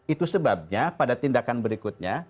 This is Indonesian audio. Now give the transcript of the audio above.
itu sebabnya pada tindakan berikutnya